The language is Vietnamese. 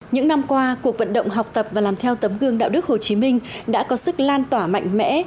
những năm qua cuộc vận động học tập và làm theo tấm gương đạo đức hồ chí minh đã có sức lan tỏa mạnh mẽ